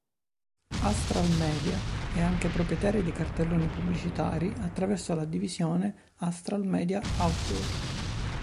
Astral Media è anche proprietaria di cartelloni pubblicitari attraverso la divisione Astral Media Outdoor.